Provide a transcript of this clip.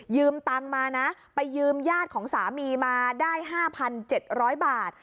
ตังค์มานะไปยืมญาติของสามีมาได้๕๗๐๐บาท